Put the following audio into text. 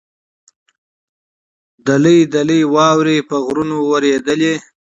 دلۍ دلۍ واوره په غرونو ورېدلې.